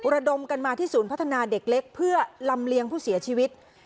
ระดมกันมาที่ศูนย์พัฒนาเด็กเล็กเพื่อลำเลียงผู้เสียชีวิต